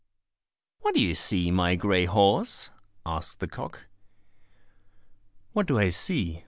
"What do you see, my grey horse?" asked the cock. "What do I see?"